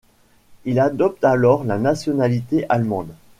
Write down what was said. Il adopte alors la nationalité allemande.